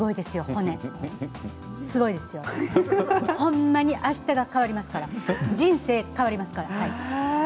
骨、ほんまにあしたが変わりますから人生変わりますから。